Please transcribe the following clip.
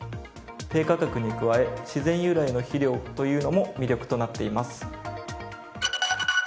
低価格に加え自然由来の肥料というのも魅力となっています。